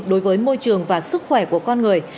đối với môi trường và sức khỏe của con người